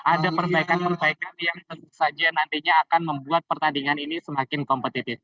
ada perbaikan perbaikan yang tentu saja nantinya akan membuat pertandingan ini semakin kompetitif